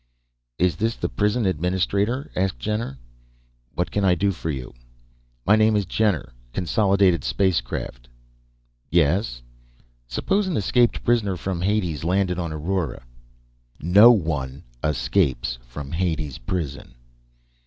"Is this the prison administrator?" asked Jenner. "What can I do for you?" "My name is Jenner; Consolidated Spacecraft." "Yes?" "Suppose an escaped prisoner from Hades landed on Aurora?" "No one escapes from Hades Prison."